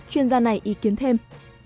chuyên gia này ý kiến thêm